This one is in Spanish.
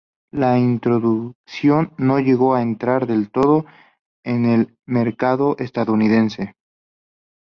La inducción no llegó a entrar del todo en el mercado estadounidense.